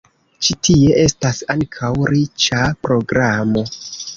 Ĉi tie estas ankaŭ riĉa programo.